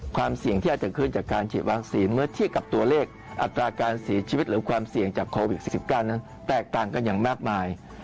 ความเสี่ยงที่อาจจะขึ้นจากการฉีดวัคซีนเมื่อเทียบกับตัวเลขอัตราการเสียชีวิตหรือความเสี่ยงจากโควิด๑๙นั้นแตกต่างกันอย่างมากมาย